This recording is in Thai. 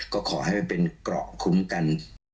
ก็ขอให้มันเป็นเกราะคุ้มกัน